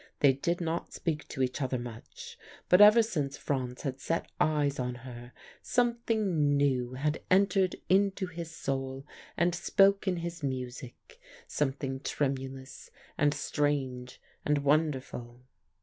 They did not speak to each other much, but ever since Franz had set eyes on her something new had entered into his soul and spoke in his music, something tremulous and strange and wonderful.